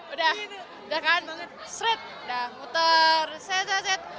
udah udah kan seret